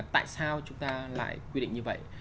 tại sao chúng ta lại quy định như vậy